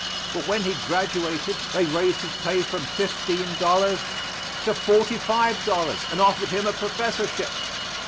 But when he graduated they raised his pay from fifteen dollars to forty five dollars and offered him a professorship.